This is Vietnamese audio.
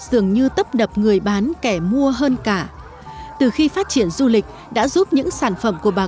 dường như tấp đập người bán kẻ mua hơn cả từ khi phát triển du lịch đã giúp những sản phẩm của bà